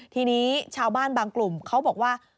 ทีนี้ชาวบ้านบางกลุ่มเขาบอกว่า